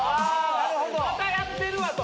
またやってるわと。